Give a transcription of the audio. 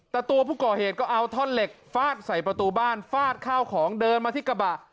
แต่ตัวผู้ก่อเหตุก็เอาท่อนเหล็กฟาดใส่ประตูบ้านฟาดข้าวของเดินมาที่กระบะ